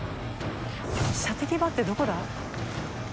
射的場ってどこだ？